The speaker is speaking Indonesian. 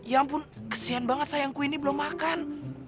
ya ampun kesehan banget sayangku ini belum makan